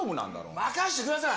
任してください。